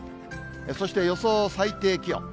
そして、予想最低気温。